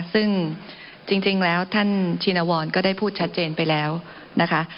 ซึ่งจริงแล้วท่านชินวรก็ได้พูดชัดเจนไปแล้วนะคะ